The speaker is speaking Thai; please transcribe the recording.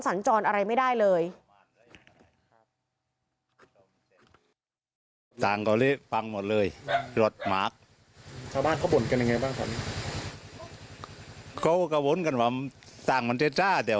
สัญจรอะไรไม่ได้เลย